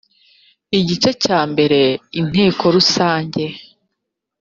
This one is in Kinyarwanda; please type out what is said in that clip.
igice cya mbere inteko rusange